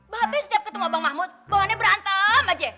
babe setiap ketemu abang mahmud bawahannya berantem aja